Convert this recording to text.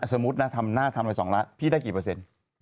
สมมุตินะทำหน้าทำละ๒ล้านพี่ได้กี่เปอร์เซ็นต์